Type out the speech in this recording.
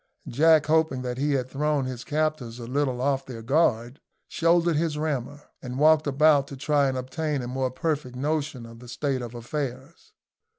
Jack, hoping that he had thrown his captors a little off their guard, shouldered his rammer, and walked about to try and obtain a more perfect notion of the state of affairs.